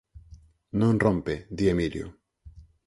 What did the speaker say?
Non rompe, di Emilio.